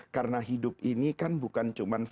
karena hidup ini kan bukan cuma